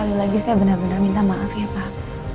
sekali lagi saya benar benar minta maaf ya pak